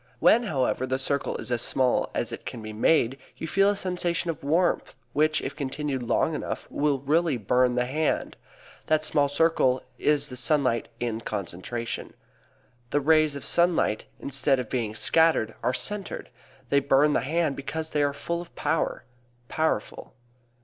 When, however, the circle is as small as it can be made you feel a sensation of warmth which, if continued long enough, will really burn the hand. That small circle is the sunlight in concentration. The rays of sunlight, instead of being scattered, are centered. They burn the hand because they are full of power powerful.